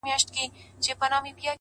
خو وخته لا مړ سوى دی ژوندى نـه دی ـ